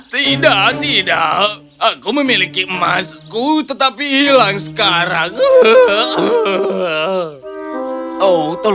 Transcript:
tidak tidak aku memiliki emasku tetapi hilang sekarang